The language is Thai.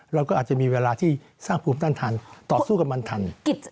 เราก็อาจจะมีเวลาที่สร้างภูมิต้านทันต่อสู้กับมันทัน